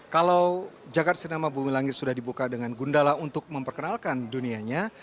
kalau jagad cinema bumi langit sudah dibuka dengan gundala untuk memperkenalkan dunianya